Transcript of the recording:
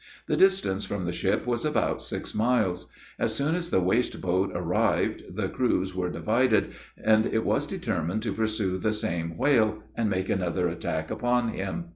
The distance from the ship was about six miles. As soon as the waste boat arrived, the crews were divided, and it was determined to pursue the same whale, and make another attack upon him.